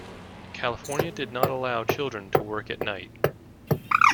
California did not allow children to work at night.